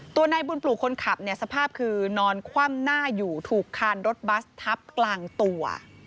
ตัวนายบุญปลูกคนขับเนี่ยสภาพคือนอนคว่ำหน้าอยู่ถูกคานรถบัสทับกลางตัว